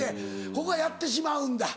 ここはやってしまうんだ。